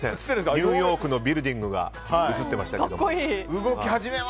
ニューヨークのビルディングが映っていましたが。